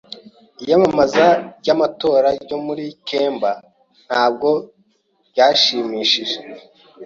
Iyamamaza ry’amatora ryo mu kemba ntabwo ryashimishije.